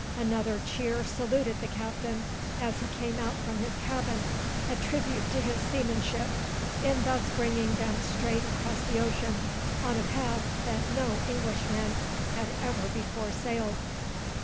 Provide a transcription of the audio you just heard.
Another cheer saluted the captain as he came out from his cabin a tribute to his seamanship, in thus bringing them straight across the ocean, on a path that no Englishman had ever before sailed.